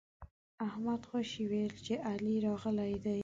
احمد خوشي ويل چې علي راغلی دی.